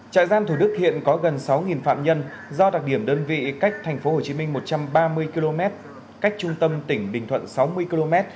trại giam thủ đức hiện có gần sáu phạm nhân do đặc điểm đơn vị cách tp hcm một trăm ba mươi km cách trung tâm tỉnh bình thuận sáu mươi km